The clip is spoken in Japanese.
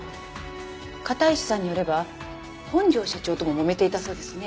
片石さんによれば本庄社長とももめていたそうですね。